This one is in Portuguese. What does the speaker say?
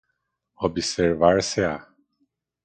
observar-se-á